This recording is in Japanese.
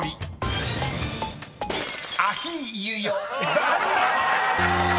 ［残念！］